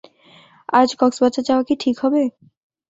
আজ কক্সবাজার যাওয়া কি ঠিক হবে?